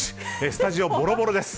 スタジオはボロボロです。